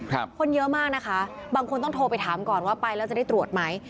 คนเยอะมากนะคะบางคนต้องโทรไปถามก่อนว่าไปแล้วจะได้ตรวจไหม